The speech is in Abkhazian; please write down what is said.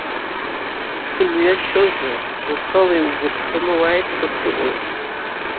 Сымҩашьозар, ухала иугәаԥханы уааит хәа сыҟоуп?